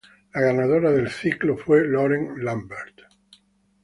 La ganadora del ciclo fue Lauren Lambert.